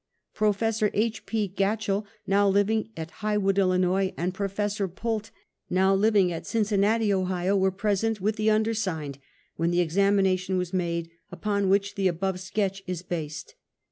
Prof. H. P. Gatchell, now living at Highwood, Illinois, and Prof. Pulte, now living at Cincinnati, Ohio, were present with the undersigned when the examination was made, upon which the above sketch is based.